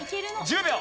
１０秒！